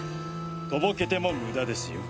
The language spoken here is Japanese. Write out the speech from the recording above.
とぼけても無駄ですよ。